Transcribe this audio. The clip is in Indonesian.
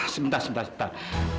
sebentar sebentar sebentar